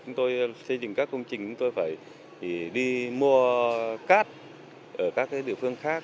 chúng tôi xây dựng các công trình chúng tôi phải đi mua cát ở các địa phương khác